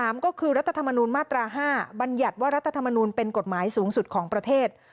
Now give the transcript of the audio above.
ก็คือรัฐธรรมนูลมาตรา๕บัญญัติว่ารัฐธรรมนูลเป็นกฎหมายสูงสุดของประเทศ